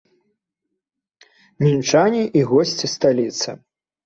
Мінчане і госці сталіцы!